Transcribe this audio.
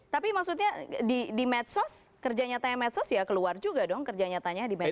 tapi maksudnya di medsos kerja nyatanya medsos ya keluar juga dong kerja nyatanya di medso